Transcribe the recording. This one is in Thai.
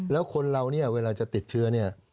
แล้วคนเราเนี่ยเวลาจะติดเชื้อเนี่ย